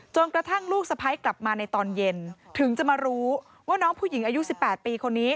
กระทั่งลูกสะพ้ายกลับมาในตอนเย็นถึงจะมารู้ว่าน้องผู้หญิงอายุ๑๘ปีคนนี้